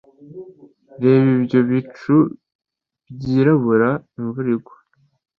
Reba ibyo bicu byirabura. Imvura igwa.